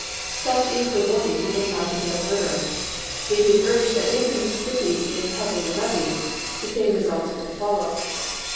Such is the warning given by the Yellow River. It is urged that if the Mississippi is heavily leveed, the same results will follow.